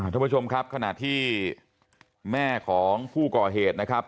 ท่านผู้ชมครับขณะที่แม่ของผู้ก่อเหตุนะครับ